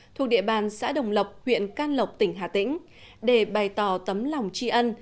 thuộc địa bàn xã đồng lộc huyện can lộc tỉnh hà tĩnh để bày tỏ tấm lòng tri ân